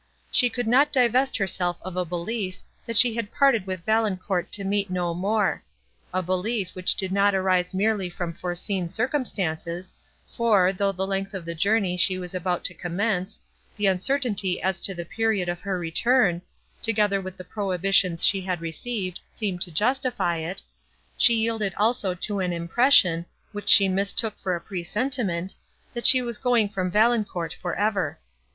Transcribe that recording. She could not divest herself of a belief, that she had parted with Valancourt to meet no more; a belief, which did not arise merely from foreseen circumstances, for, though the length of the journey she was about to commence, the uncertainty as to the period of her return, together with the prohibitions she had received, seemed to justify it, she yielded also to an impression, which she mistook for a presentiment, that she was going from Valancourt for ever.